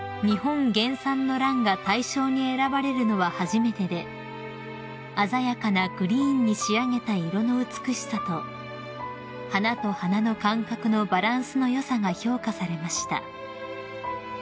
［日本原産のランが大賞に選ばれるのは初めてで鮮やかなグリーンに仕上げた色の美しさと花と花の間隔のバランスの良さが評価されました］